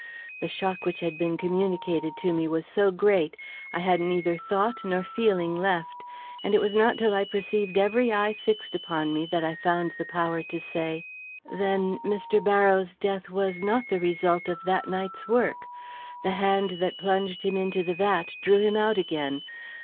The shock which had been communicated to me was so great, I had neither thought nor feeling left, and it was not till I perceived every eye fixed upon me that I found the power to say: "Then Mr. Barrows' death was not the result of that night's work. The hand that plunged him into the vat drew him out again.